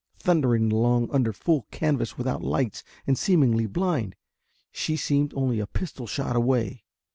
Thundering along under full canvas without lights and seemingly blind, she seemed only a pistol shot away.